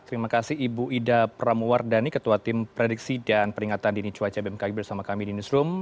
terima kasih ibu ida pramuwardani ketua tim prediksi dan peringatan dini cuaca bmkg bersama kami di newsroom